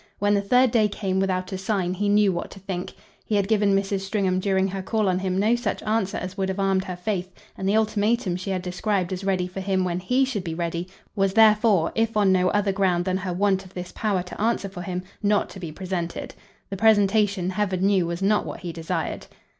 When the third day came without a sign he knew what to think. He had given Mrs. Stringham during her call on him no such answer as would have armed her faith, and the ultimatum she had described as ready for him when HE should be ready was therefore if on no other ground than her want of this power to answer for him not to be presented. The presentation, heaven knew, was not what he desired.